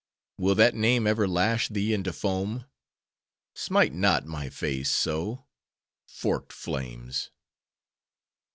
—will that name ever lash thee into foam?—Smite not my face so, forked flames!"